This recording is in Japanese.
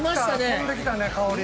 飛んできたね香り。